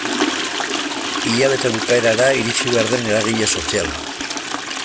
Hilabete bukaerara iritsi behar den eragile soziala.